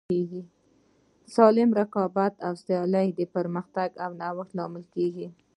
سالم رقابت او سیالي د پرمختګ او نوښت لامل کیږي.